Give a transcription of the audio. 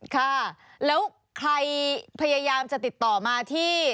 ค่ะแล้วใครพยายามจะติดต่อมาที่